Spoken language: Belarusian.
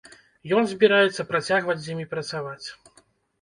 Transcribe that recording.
Ён збіраецца працягваць з імі працаваць.